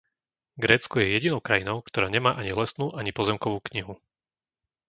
Grécko je jedinou krajinou, ktorá nemá ani lesnú ani pozemkovú knihu.